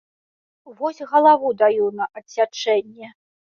Вось галаву даю на адсячэнне!